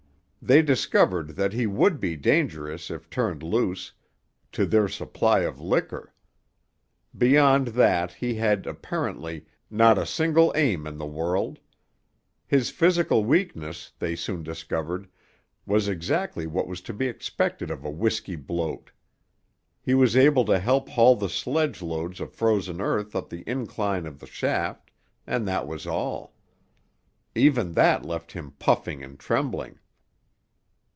They discovered that he would be dangerous if turned loose—to their supply of liquor. Beyond that he had, apparently, not a single aim in the world. His physical weakness, they soon discovered, was exactly what was to be expected of a whisky bloat. He was able to help haul the sledge loads of frozen earth up the incline of the shaft, and that was all. Even that left him puffing and trembling.